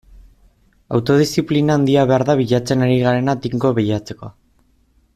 Autodiziplina handia behar da bilatzen ari garena tinko bilatzeko.